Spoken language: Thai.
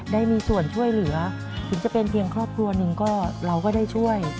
ได้มีส่วนช่วยเหลือถึงจะเป็นเพียงครอบครัวหนึ่งก็เราก็ได้ช่วย